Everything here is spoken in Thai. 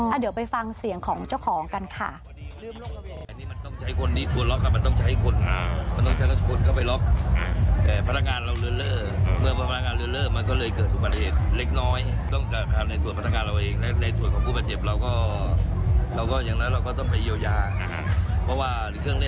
เดี๋ยวไปฟังเสียงของเจ้าของกันค่ะ